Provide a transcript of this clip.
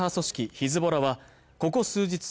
ヒズボラはここ数日間